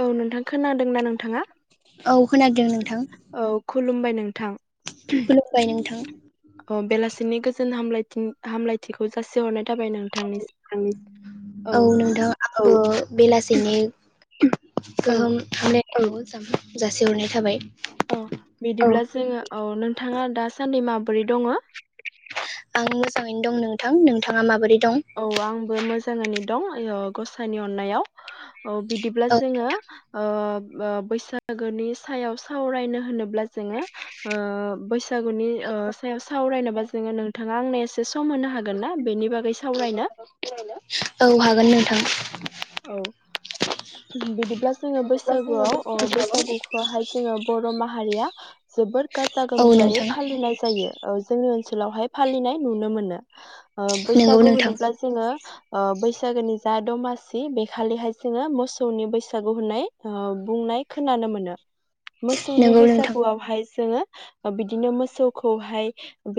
औ नोंथां खोनादोंना नोंथाङा औ खोनादों नोंथां औ खुलुमबाय नों थां खुलुमबाय नोंथां नि गोजोन हामलाय-हामलायथिखौ जासिहरनाय थाबाय नों [unintelligible] औ नोंथां [unintelligible] बेलासिनि औ गोहोम औ जासिहरनाय थाबाय। औ बिदिब्ला जोङो औ नोंथाङा दा सानदि माबोरै दङ? आं मोजाङैनो दं नोंथां नोंथाङा माबोरै? दं औ आंबो मोजाङैनो दं गसायनि अननायाव। औ बिदिब्ला औ जोङो ओ ओ बैसागोनि सायाव सावरायनो होनोब्ला जोङो ओ बैसागो नि ओ सायाव सावरायनोबा जोङो नोंथाङा आंनो एसे सम मोननो हागोन ना बेनि बागै स सावरायनो। औ हागोन नोंथां। औ। बिदिब्ला जोङो बैसागुआव अ बैसागुखौहाय जोङो बर' माहारिया जोबोद गाजा औ गोमजायै नोंथां फालिनाय जायो। औ जोंनि ओनसोलावहाय फालिनाय नुनो मोनो। ओ नोंगौ बैसागु नोंथां होनोब्ला जोङो ओ बैसागोनि जा दमासि बेखालिहाय जोङो मोसौनि बैसागु होननाय ओ बुंनाय खोनानो मोनो। मोसौनि नोंगौ नोंथां बैसागुआवहाय जोङो बिदिनो मोसौखौहाय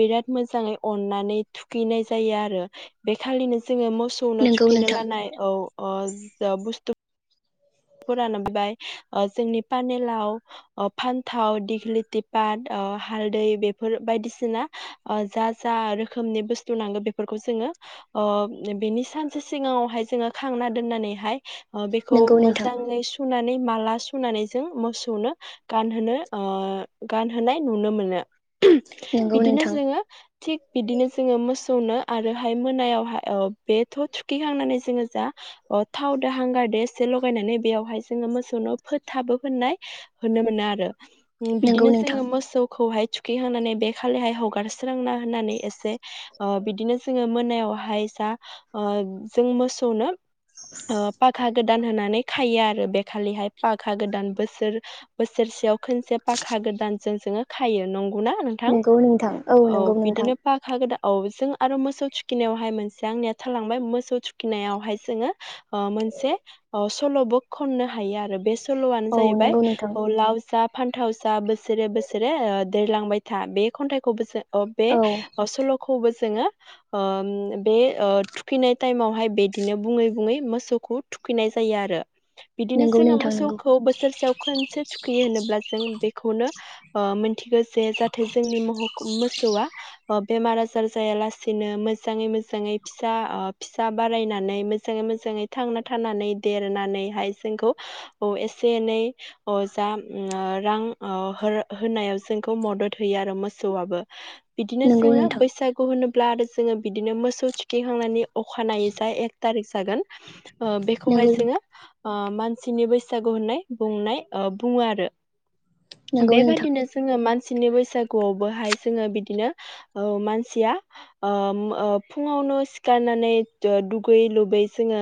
बिराद मोजाङै अननानै थुखैनाय जायो आरो बेखालिनो जोङो मोसौनो नोंगौ थुखैनो नोंथां लानाय औ। अ जा बुस्थु फोरानो बेबाय ओ जोंनि पानेलाव फान्थाव दिग्लिथिपात ओ हालदै बेफोर बायदिसिना ओ जा जा रोखोमनि बुस्थु नांगौ बेफोरखौ जोङो ओ बेनि सानसे सिगाङावहाय जोङो खांना दोननानैहाय ओ बेखौ नोंगौ नोंथां मोजाङै सुनानै माला सुनानै जों मोसौनो गानहोनो ओ गानहोनाय नुनो मोनो। उम नोंगौ बिदिनो नोंथां जोङो थिग बिदिनो जोङो मोसौनो आरोहाय मोनायावहाय औ बेथ थुखिहांनानै जोङो जा थावदो हांगारदो एसे ल लगायनानै बेयावहाय जोङो मोसौनो फोथाबो फोननाय नुनो मोनो आरो । उम बिदिनो नोंगौ नोंथां जोङो मोसौखौहाय। थुखैहोनानै बे खालिहाय हगारस्रांना होननानै एसे हो ओ बिदिनो जोङो मोनायावहाय जा ओ जों मोसौनो अ पाखा गो दान होनाय नै खायो आरो बेखालिहाय पाखा गोदान बोसोर बोसोरसेयाव खोनसे फाखा गोदान जों जोङो खायो नं गौना नोंथां नोंगौ नोंथां औ नोंगौ नोंथां बिदिनो पाखा गोदा औ जों आरो मोसौ थुखिनायावहाय मोनसे आंनिया थालांबाय मोसौ थुखिनायावहाय जोङो हो ओ मोनसे अ सलबक खननो हायो आरो बे स सलआनो औ जाहैबाय नोंगौ नोंथां अ लाव जा फानथाव जा बोसोरे बोसोरे ओ देरलांबाय था बे खन्थाइखौबोसो अ बे औ असलखौबो जोङो ओम बे ओ थुखैनाय टाइमावहाय बेदिनो बुङै बुङै मोसौखौ थुखै नाय जायो आरो। बिदिनो नोंगौ जोङो नोंथां नोंगौ मोसौखौ बोसोरसेयाव खोनसे थुखैयो होनोब्ला जों बेखौनो ओ मोनथिगो जे जाहाथे जोंनि [unintelligible] मोसौआ अ बेमार आजार जायालासेनो मोजाङै मोजाङै फिसा ओ फिसा बारायनानै मोजाङै मोजाङै थांना थानानै देरनानैहाय जोंखौ अ एसे एनै अ जा ओम रां ओ होर होनायाव जोंखौ मदद होयो आरो मोसौआबो बिदिनो नोंगौ जोङो नोंथां बैसागु होनो ब्ला आरो जोङो बिदिनो मोसौ थुखिखांनानै अखानायै जाय एक थारिख जागोन ओ बेखौहाय नोंगौ जोङो ओ मानसिनि बैसागु होननाय बुंनाय ओ बुङो आरो। नोंगौ नोंथां बेबादिनो जोङो मान सिनि बैसागुआवबोहाय जोङो बिदिनो ओ मानसिया ओम ओ फुङावनो सिखारनानै द दुगै लोबै जोङो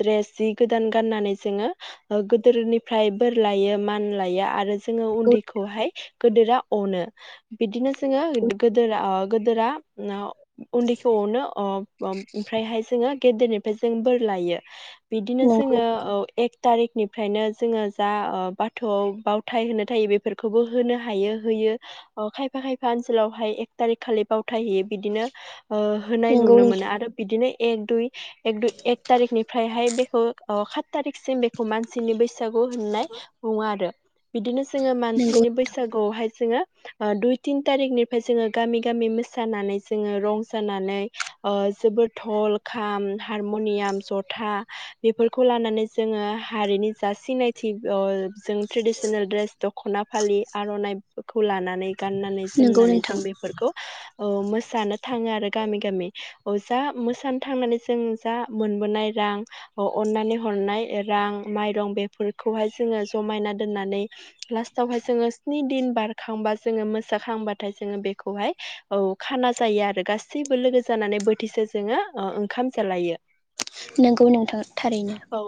द्रेस जि गोदान गाननानै जोङो ओ गोदोरनिफ्राय बोर लायो मान लायो आरो जोङो नोंगौ उन्दैखौहाय गोदोरा अनो बिदिनो जोङो गोदोर आ गोदोरा [unintelligible] उन्दैखौ अनो अब ओम ओमफ्रायहाय जोङो गेदेरनिफ्राय जों बोर लायो। बिदिनो नोंगौ जोङो ओ एक थारिखनिफ्रायनो जोङो जा ओ बाथौआव बावथाय होनो थायो बेफोरखौबो होनो हायो होयो अ खायफा खायफा ओनसोलावहाय एक थारिख खालि बावथाय हैयो बिदिनो ओ होनाय नोंगौ नुनो मोनो आरो बिदिनो एक दुइ एक दुइ एक तारिखनि बेहाय बेखौ अ खात तारिखसिम मानसिनि बैसा सागु होननाय बुङो आरो बिदिनो जोङो नोंगौ मानसिनि बैसागुआवहाय जोङो ओ दुइ तिन थारिखनिफ्राय जोङो गामि गामि मोसानानै जोङो रं जानानै जोबोद थल खाम हारमनियाम जथ था बेफोरखौ लानानै जोङो हारिनि जा सिनायथि ओ जों ट्रेिदिसनेल ड्रेस दखना फालि आरनाइफोरखौ लानानै गाननानै नोंगौ जोमनानै नोंथां जों बेफोरखौ औ मोसानो थाङो आरो गामि गामि औ जा मोसानो थांनानै जों जा मोनबोनाय रां अन्नानै हरनाय रां माइरं बेफोरखौहाय जोङो जमायना दोननानै लास्टावहाय जोङो स्नि दिन बारखांबा जोङो मोसााखांबाथाय जोङो बेखौहाय औ खाना जायो आरो गासैबो लोगो जानानै बोथिसे जोङो ओंखाम जालायो नंगौ नोंथां थारैनो औ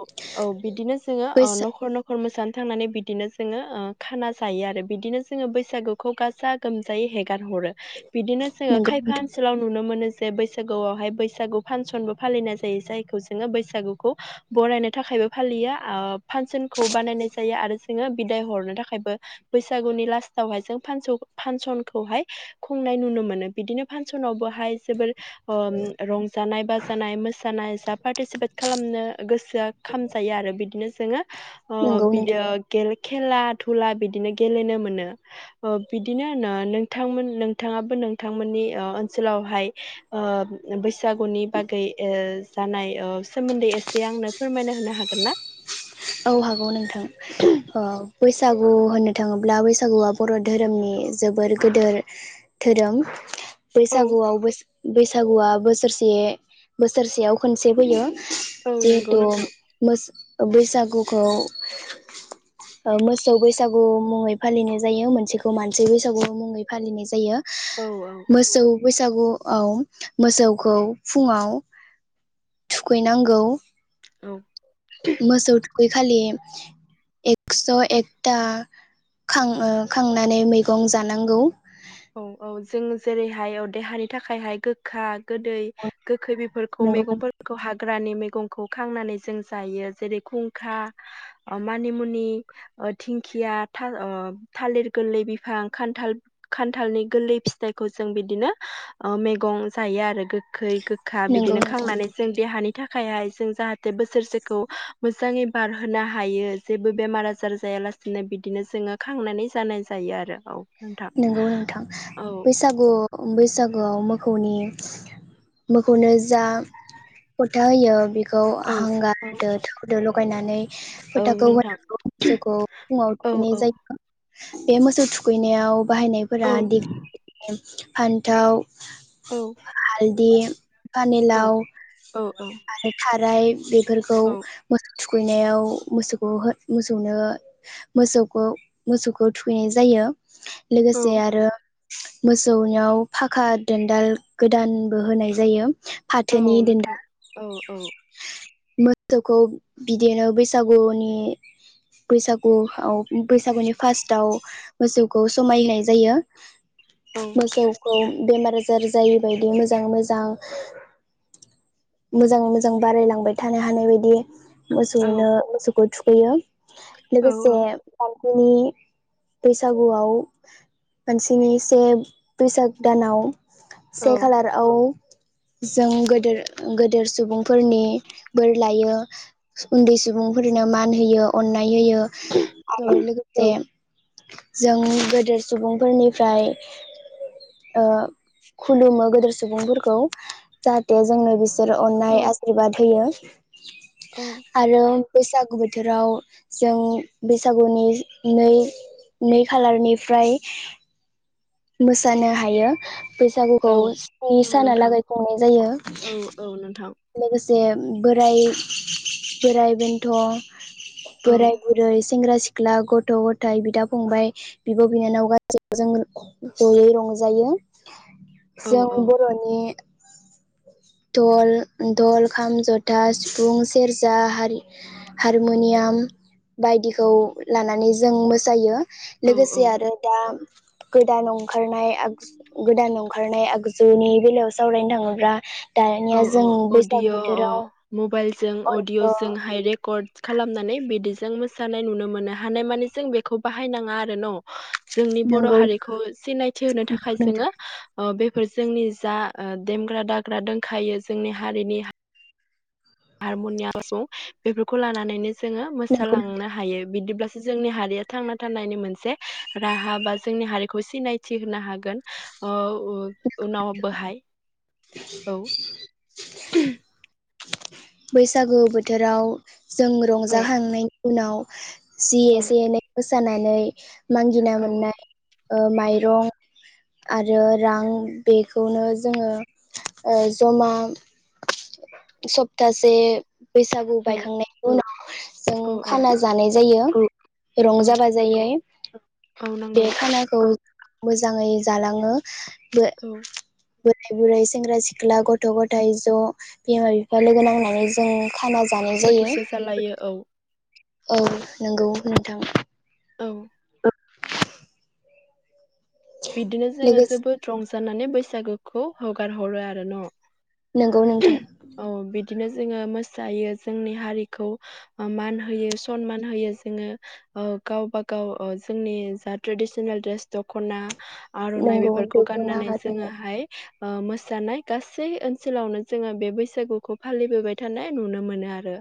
औ बिदिनो जोङो ओ बैसा नखर नखर मोसानो थांनानै बिदिनो जोङो ओ खाना जायो आरो बिदिनो जोङो बैसागुखौ गाजा गोमजायै हेगार हरो बिदिनो जोङो नंगौ खायफा नोंथां ओनसोलाव नुनो मोनो जे बैसागुआवहाय बैसागु फासनबो फालिनाय जायो जायखौ जो ङो बैसागुखौ बरायनो थाखायबो फालियो आ फासनखौ बानायनाय जायो आरो जोङो बिदाय हरनो थाखायबो बैसागुनि लास्तावहाय जों फानसन फांसनखौहाय खुंनाय नुनो मोनो बिदिनो फांसनावबोहाय जोबोर ओ रंजानाय बाजानाय मोसानाय जा थिसिपेत खालामनो गोसो खालाम जायो आरो बिदिनो जोङो नंगौ नोंथां बियो गेले खेला दुला बिदिनो गेलेनो मोन ओ बिदिनो नोंथाङाबो नोंथांमोननि ओनसोलावहाय ओ बैसागुनि बागै ओ जानाय ओ सोमोन्दै एसे आंनो फोरमायना होनो हागोन ना? औ हागौ नोंथां औ बैसागु होननो थाङोब्ला बैसागुआ बर धोरोमनि जोबोर गोदोर धोरोम औ बैसागुआव बैसा सागुआ बोसोरसे बोसोरसेयाव खनसे फैयो औ नंगौ जिहेथु नोंथां मो अ बेैसाग गुखौ मोसौ बैसागु मुङै फालिनाय जायो मोनसेखौ मानसि बैसागु मुङै फालिनाय जायो औ मोसौ बैसागु औ मोसौखौ फुङाव थुखैनांगौ औ मोसौ थु खैखालि एक्स एकथा खां ओ खांनानै मैगं जानांगौ औ औ जों जेरैहाय औ देहानि थाखायहाय गोखा गोदै गोखै बेफोरखौ नंगौ मैगंफोरखौ हाग्रानि मेगं खौ खांनानै जों जायो जेरै खुंखा मानिमुनि थिंखिया था ओ थालिर गोरलै बिफां खान्थाल खान्थालनि गोरलै फिथाइखौ जों बिदिनो मैगं जायो आरो गो खै गोखा नंगौ बिदिनो नोंथां खांनानै जों देहानि थाखायहाय जों जाहाथे बोसोरसेखौ मोजाङै बारहोनो हायो जेबो बेमार आजार जायालासिनो बिदिनो जोङो खांनानै जानाय जायो आरो औ नोंथां नोंगौ नोंथां औ बैसागु बैसागुआव मोखौ मोने मोखौनो जा फोथा होयो खौ औ औ हांगारदो थुदोल' गायनानै औ फोथाखौ नोंथां होनांगौ मोसौखौ फुङाव औ थुखैनाय जायो। बे मोसौ थुखै नायाव औ बाहायनायफोरा दिगलिलिथि फान्थाव औ हालदि औ पानिलाव औ आरो थाद फ्राय बे फोरखौ औ मोसौ थुखैनायाव मोसौखौ हो मोसौनो मोसौखौ मोसौखौ थुखैनाय जायो। लोगोसे आरो मोसौनियाव फाखा दोनदाल गोदानबो होनाय जायो औ फाथोनि नोंथां दोनदाल औ औ मोथौखौ बिदिनो बैसागुनि बैसागुआव बैसागुनि फार्स्टआव मोसौखौ समायहोनाय जायो औ मोसौखौ बेमार आजार जायि बायदि मोजाङै मोजां मोजाङै मोजां बारायलांबाय थानो हानाय बायदि। मोसौनो मोसौखौ थु बेयो औ लोगोसे [unintelligible] जोंनि बैसागुआव मानसिनि से बैसाग दानाव से खालार आव जों गोेदोर गोदोर सुबुंफोरनि बोर लायो उन्दै सुबुंफोरनो मान होयो अन नाय होयो आरो लोगोसे जों गोदेर सुबुंफोरनिफ्राय ओ खुलुमो गोदेर सुबुंफोरखौ जाहाथे जोंनो बि सोर औ अननाय आशिरबाद होयो औ आरो बैसागु बोथोराव जों बैसागुनि नै नै खालारनिफ्राय मोसानो हा हायो बैसागुखौ स्नि औ साना नोंथां लागै खुंनाय जायो औ औ नोंथां लोगोसे जे बोराइ बोराइ बेन्थ औ बोराय बुरै सेंग्रा सिख्ला गथ गथाय बिदा फंबाय बिब बिनानाव गासै जों जयै रंजायो औ जों औ बरनि डल डल खाम जथा सिफुं सेरजा हारि हारमुनियाम बायदिखौ लानानै जों मोसायो औ औ लोगोसे आरो दा गोदान ओंखारनाय आगजु गोदान ओंखारनाय आगजुनि बेलायाव सावरायनो थाङोब्ला औ दानिया औ जों बैसागु अदिअ बोथोराव मबेलजों अ अडिअ जोंहाय रेकर्ड खालामनानै बिदिजों मोसानाय नुनो मोनो हानायमानि जों बेखौ बाहायनाङा आरो न जोंनि बर नंगौ हारिखौ सिनायथि होनो थाखाय जोङो नोंथां ओ बे फोर जोंनि जा ओ देमग्रा दाग्रा दों खायो जोंनि हारिनि हारमनिया बेफोरखौ लानानैनो जोङो नंगौ मोसालांनो नोंथां हायो बिदिब्लासो जोंनि हारिया थांना थानायनि मोनसे राहा बा जोंनि हारिखौ सिनायथि होनो हागोन ओ उ उनाव बोहाय औ [inaudible] बैसागु बोथोराव जों औ रंजाहांनाय उनाव जि औ एसे एनै [unintelligible] जानानै मांगिना औ मोननाय औ माइरं आरो रां बेखौनो जोङो जमा सब [unintelligible] बैसागु औ बायखांनायनि उनाव औ जों औ खाना जानाय जायो औ रंजा नंगौ बाजायै औ बे नंगौ खानाखौ मोजाङै जालाङो औ बोराय बुरै सेंग्रा सिख्ला गथ' गथाय ज' बिमा बि फा लोगो नांनानै जों खाना जानाय जायो बोथिसे । जालायो औ औ नंगौ नोंथां औ बिदिनो जोङो लोगोसे जोबोद रंजा जानानै बैसागोखौ हगार हरो आरो न नंगौ नोंथां दिनो जोङो मोसायो जोंनि हारिखौ मान होयो सनमान होयो जोङो ओ गावबा गाव ओ जोंनि जा ट्रेडिसनेल द्रेस दख'ना आर'नाइ नंगौ बेफोरखौ दख'ना गाननानै आर'नाइ जोङोहाय ओ मोसानाय गासै ओनसोलावनो जोङो बे बैसागुखौ फालिबोबाय थानाय नुनो मोनो आरो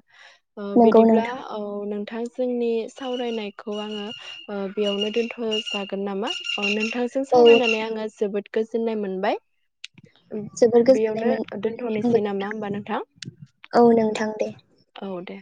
औ नंगौ बिदिब्ला नोंथां औ नोंथां जोंनि सावरायनायखौ आङो ओ बेयावनो दोनथ' जागोन नामा? अ नोंथांजों औ सावरायनानै आङो जोबोद गोजोननाय मोनबाय । ओम जोबोर बेयावनो गोजोननाय मोनबाय दोनथ'नो औ नोंथां दे औ दे